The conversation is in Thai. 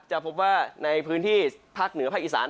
จะพบว่าในพื้นที่ภาคเหนือภาคอีสาน